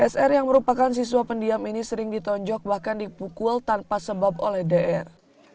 sr yang merupakan siswa pendiam ini sering ditonjok bahkan dipukul tanpa sebab oleh dr